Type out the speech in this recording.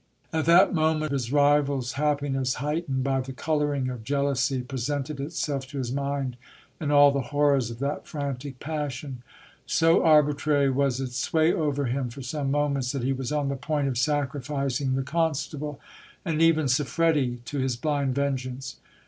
At that moment his rival's happiness, heightened by the colouring of jea lousy, presented itself to his mind in all the horrors of that frantic passion. So arbitrary was its sway over him for some moments, that he was on the point of sacrificing the constable, and even Siffredi, to his blind vengeance.